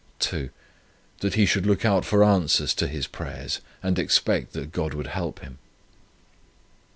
2, That he should look out for answers to his prayers, and expect that God would help him.